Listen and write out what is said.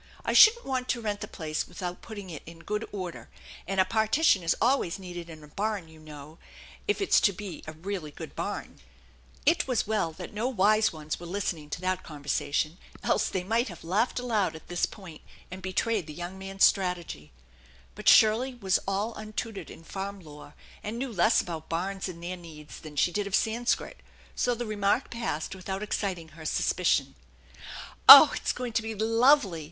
I shouldn't want to rent the place without putting it in good order, and a partition is always needed in a barn, you know, if it's to bi a really good barn/' It wa , well that no wise ones were listening to that con versation; else they might have laughed aloud at this point and betrayed the young man's strategy, but Shirley was all untutored in farm lore, and knew less about barns and their needs than she did of Sanskrit ; so the remark passed without exciting her suspicion. " Oh, it's going to be lovely